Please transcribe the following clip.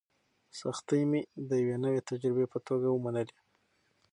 سختۍ مې د یوې نوې تجربې په توګه ومنلې.